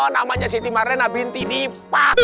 namanya siti mak lena binti dipak